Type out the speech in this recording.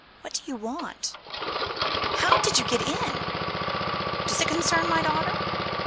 What do you want? How did you get in? — Does it concern my daughter